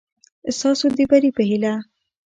ستاسو د بري په هېله